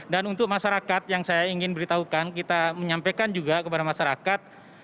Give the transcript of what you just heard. dan untuk masyarakat yang saya ingin beritahukan kita menyampaikan juga kepada masyarakat